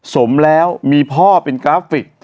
สมแล้วมีพ่อเป็นกราฟิก